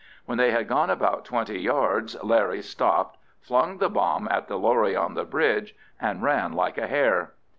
When they had gone about twenty yards, Larry stopped, flung the bomb at the lorry on the bridge, and ran like a hare.